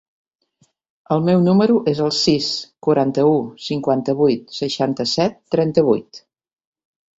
El meu número es el sis, quaranta-u, cinquanta-vuit, seixanta-set, trenta-vuit.